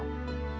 engkau lah rasaku